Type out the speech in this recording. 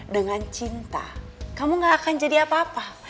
dengan cinta kamu gak akan jadi apa apa